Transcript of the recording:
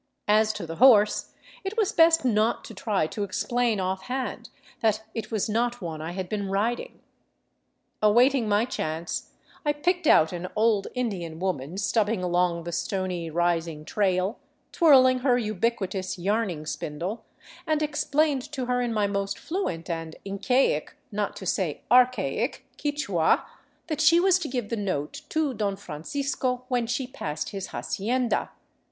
As to the horse, it was best not to try to explain offhand that it was not one I had been riding. Awaiting my chance, I picked out an old Indian woman stubbing along the stony, rising trail, twirling her ubiquitous yarning spindle, and explained to her in my most fluent and Incaic, not to say archaic, Quichua, that she was to give the note to Don Francisco when she passed his hacienda.